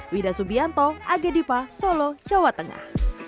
widah subianto agdipa solo jawa tengah